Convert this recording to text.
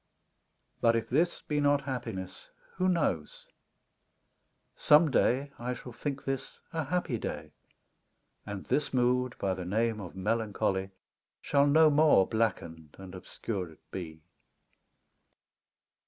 But if this be not happiness, who knows ? Some day I shall think this a happy day, And this mood by the name of melancholy Shall no more blackened and obscured be.